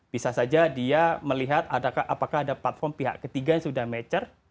bisa saja dia melihat apakah ada platform pihak ketiga yang sudah mature